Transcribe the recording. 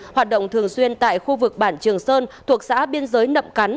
hoạt động thường xuyên tại khu vực bản trường sơn thuộc xã biên giới nậm cắn